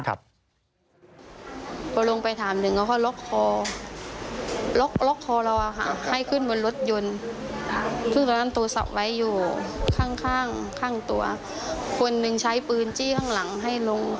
เขาบอกว่าอยู่นิ่ง